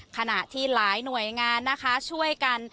ขณะที่หลายหน่วยงานนะคะช่วยกัน